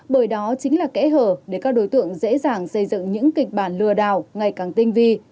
bởi đó chính là kẽ hở để các đối tượng dễ dàng xây dựng những kịch bản lừa đảo ngày càng tinh vi